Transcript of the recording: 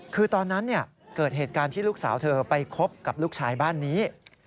คือตอนนั้นเกิดเหตุการณ์ที่ลูกสาวเธอไปคบกับลูกชายบ้านนี้